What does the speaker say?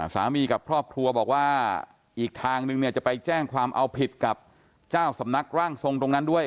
สามีกับครอบครัวบอกว่าอีกทางนึงเนี่ยจะไปแจ้งความเอาผิดกับเจ้าสำนักร่างทรงตรงนั้นด้วย